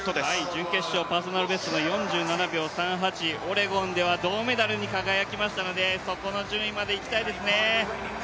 準決勝、パーソナルベスト４７秒３８、オレゴンでは銅メダルに輝きましたのでそこの順位まで行きたいですね。